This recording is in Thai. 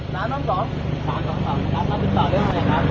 สนุนอะไรคะ